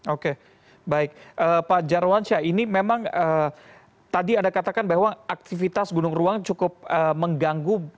oke baik pak jarwansyah ini memang tadi anda katakan bahwa aktivitas gunung cukup mengganggu